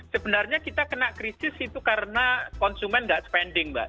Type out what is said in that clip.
sebenarnya kita kena krisis itu karena konsumen tidak spending mbak